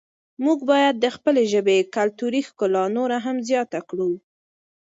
موږ باید د خپلې ژبې کلتوري ښکلا نوره هم زیاته کړو.